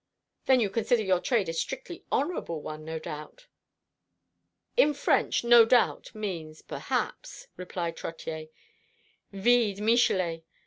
"Then you consider your trade a strictly honourable one, no doubt." "In French no doubt means perhaps," replied Trottier, "vide Michelet.